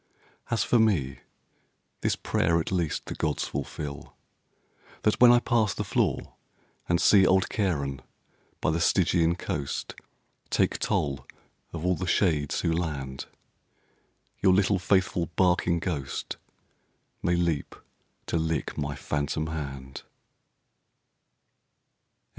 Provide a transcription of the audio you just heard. As for me, This prayer at least the gods fulfill That when I pass the floor, and see Old Charon by the Stygian coast Take toll of all the shades who land, Your little, faithful, barking ghost May leap to lick my phantom hand.